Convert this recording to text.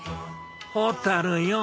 蛍よ。